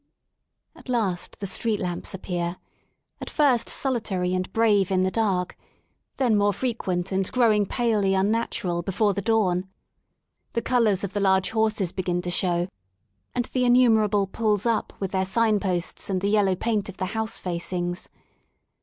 At last the street lamps ap pear, at first solitary and brave in the dark, then more frequent and growing palely unnatural before the dawn; the colours of the large horses begin to show, and the innumerable pulls up," with their signposts and the yellow paint of the housefacings.